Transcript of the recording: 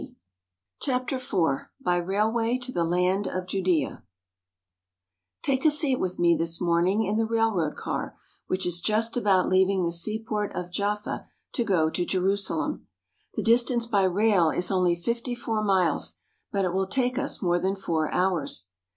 22 CHAPTER IV BY RAILWAY TO THE LAND OF JUDEA TAKE a seat with me this morning in the railroad car which is just about leaving the seaport of Jaffa to go to Jerusalem. The distance by rail is only fifty four miles, but it will take us more than four hours.